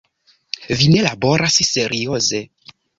Vi ne laboras serioze.